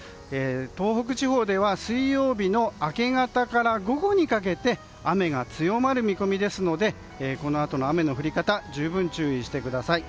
東北地方では水曜日の明け方から午後にかけて雨が強まる見込みですのでこのあとの雨の降り方十分注意してください。